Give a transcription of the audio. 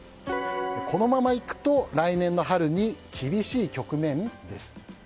このままいくと来年の春に厳しい局面？です。